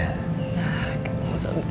ah kayaknya mau saling